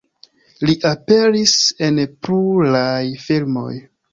Li aperis en pluraj filmoj.